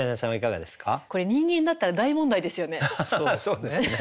そうですね。